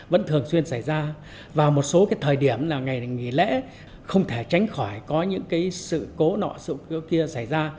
vẫn thường xuyên xảy ra vào một số cái thời điểm là ngày nghỉ lễ không thể tránh khỏi có những cái sự cố nọ sự kiểu kia xảy ra